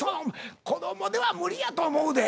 子どもでは無理やと思うで。